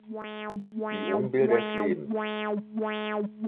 Die Unbill des Lebens.